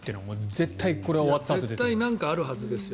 絶対なんかあるはずですよ